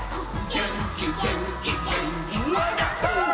「げんきげんきげんきわんだほー！」